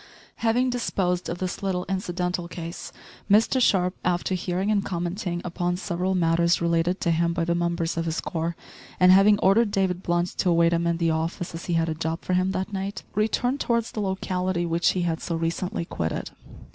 Having disposed of this little incidental case, Mr Sharp after hearing and commenting upon several matters related to him by the members of his corps, and having ordered David Blunt to await him in the office as he had a job for him that night, returned towards the locality which he had so recently quitted.